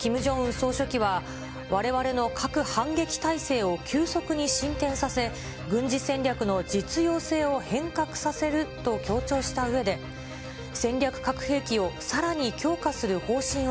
総書記は、われわれの核反撃態勢を急速に進展させ、軍事戦略の実用性を変革させると強調したうえで、ＳＯＭＰＯ当たった！